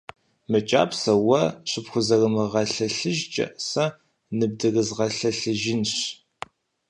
Мы кӏапсэр уэ щыпхузэрымыгъэлъэлъыжкӏэ сэ ныбдызэрызгъэлъэлъыжынщ.